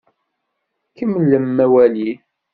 Kemmlem awali!